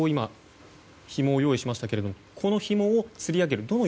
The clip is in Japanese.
ひもを用意しましたけどこのひもをつり上げる。